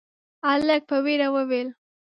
هلک په وېره وويل: